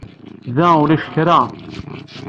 Da ulac kra.